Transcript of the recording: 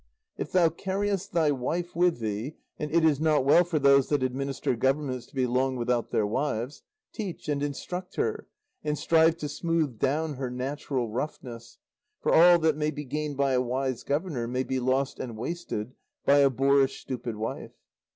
"If thou carriest thy wife with thee (and it is not well for those that administer governments to be long without their wives), teach and instruct her, and strive to smooth down her natural roughness; for all that may be gained by a wise governor may be lost and wasted by a boorish stupid wife.